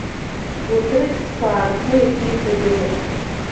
Урҭ рыхьӡқәа аартны иахьиҳәогьы ыҟоуп.